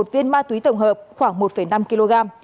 ba một trăm một mươi một viên ma túy tổng hợp khoảng một năm kg